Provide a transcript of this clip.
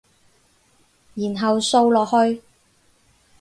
然後掃落去